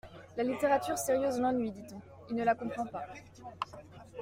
La littérature sérieuse l’ennuie, dit-on ; il ne la comprend pas.